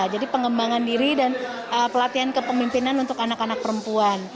jadi pengembangan diri dan pelatihan kepemimpinan untuk anak anak perempuan